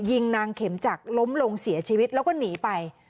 ยิงนางเข็มจักรล้มลงเสียชีวิตแล้วก็หนีไป